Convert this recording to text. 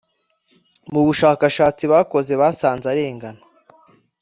Mubushakashatsi bakoze basanze arengana